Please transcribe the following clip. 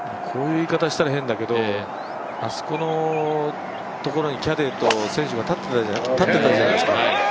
こういう言い方したら変だけど、あそこにキャディーと選手が立ってたじゃないですか。